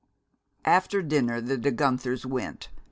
After dinner the De Guenthers went.